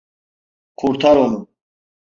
Kurtar onu!